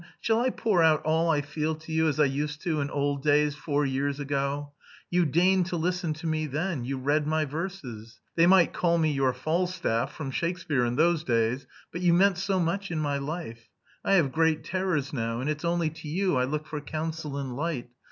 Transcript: shall I pour out all I feel to you as I used to in old days, four years ago? You deigned to listen to me then, you read my verses.... They might call me your Falstaff from Shakespeare in those days, but you meant so much in my life! I have great terrors now, and it's only to you I look for counsel and light.